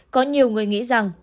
có nhiều người nghĩ rằng